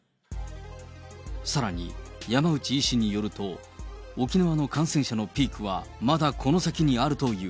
さらに山内医師によると、沖縄の感染者のピークはまだこの先にあるという。